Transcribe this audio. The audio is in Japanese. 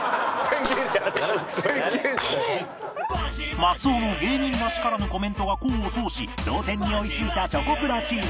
松尾の芸人らしからぬコメントが功を奏し同点に追い付いたチョコプラチーム